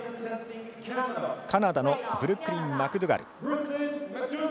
カナダのブルックリン・マクドゥガル。